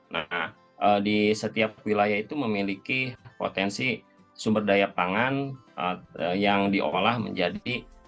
nah di setiap wilayah itu memiliki potensi sumber daya pangan yang diolah menjadi